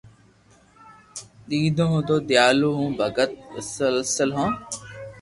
نيدون ھو دينديالو ھون ڀگت وسل ھون